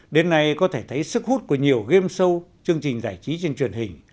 đến nay có thể thấy sức hút của nhiều game show chương trình giải trí trên truyền hình